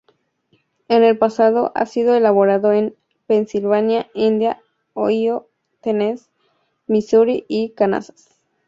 En el pasado, ha sido elaborado en Pensilvania, Indiana, Ohio, Tennessee, Misuri y Kansas.